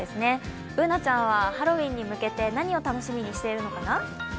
Ｂｏｏｎａちゃんはハロウィーンに向けて何を楽しみにしてるのかな？